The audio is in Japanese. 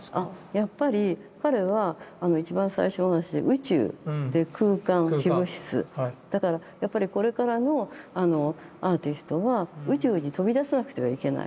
やっぱり彼は一番最初の話で宇宙空間非物質だからやっぱりこれからのアーティストは宇宙に飛び出さなくてはいけない。